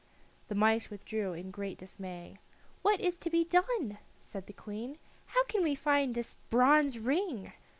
The mice withdrew in great dismay. "What is to be done?" said the Queen. "How can we find this bronze ring?"